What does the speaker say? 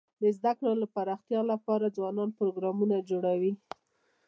د زده کړو د پراختیا لپاره ځوانان پروګرامونه جوړوي.